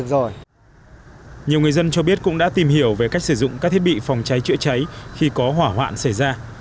tuy nhiên việc người dân tìm hiểu về cách sử dụng các thiết bị phòng cháy chữa cháy khi có hỏa hoạn xảy ra